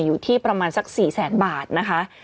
อยู่ที่ประมาณสัก๔แสนบาทนะคะ